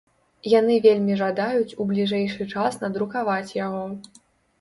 Яны вельмі жадаюць у бліжэйшы час надрукаваць яго.